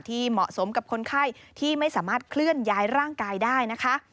เหมาะสมกับคนไข้ที่ไม่สามารถเคลื่อนย้ายร่างกายได้นะคะ